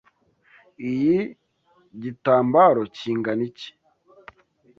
Iyi gitambaro kingana iki?